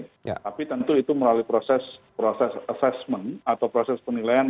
tapi tentu itu melalui proses assessment atau proses penilaian